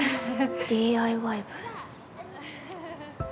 ＤＩＹ部。